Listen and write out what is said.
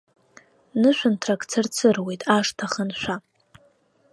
Нышәынҭрак цырцыруеит ашҭа аханшәа.